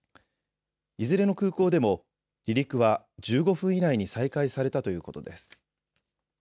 いずれの空港でも離陸は１５分以内に再開されたということです。